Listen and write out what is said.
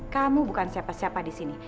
kamu bukan siapa siapa di sini